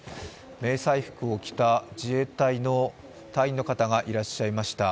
迷彩服を着た自衛隊の隊員の方がいらっしゃいました。